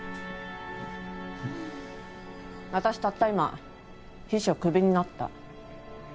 私たった今秘書クビになった。